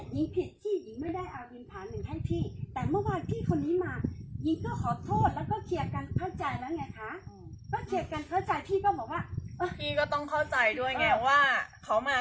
เรื่องของกฎระเบียงเรื่องเสียงดังอันนี้พวกพี่ยอมรักเรื่องเสียงดังพวกพี่ยอมรัก